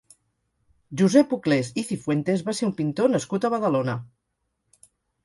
Josep Uclés i Cifuentes va ser un pintor nascut a Badalona.